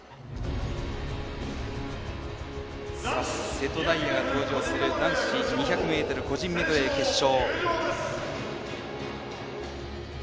瀬戸大也が登場する男子２００ｍ個人メドレー決勝。